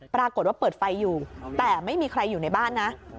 ปรากฏว่าเปิดไฟอยู่แต่ไม่มีใครอยู่ในบ้านนะ